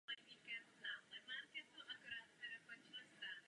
Nejvíce příležitostí a problémů se soustředí do měst.